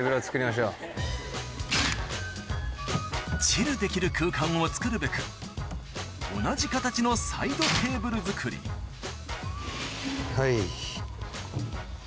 チルできる空間をつくるべく同じ形のサイドテーブル作りはい。